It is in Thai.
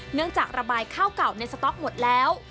เนื่องจากระบายข้าวเก่าในสต๊อกหมดแล้ว